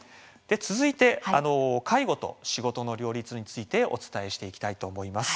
続いて介護と仕事の両立についてお伝えしていきたいと思います。